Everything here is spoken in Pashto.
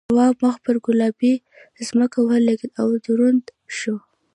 تواب مخ پر گلابي ځمکه ولگېد او دروند شو.